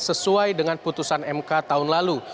sesuai dengan putusan mk tahun lalu